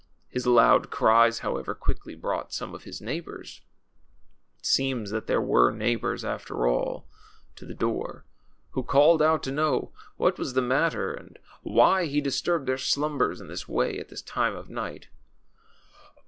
His loud cries, however, quickly brought some of his neighbors (it seems that there were neighbors, after all) to the door, who called out to know what was the matter, and why he disturbed their slumbers in this way at this time of night.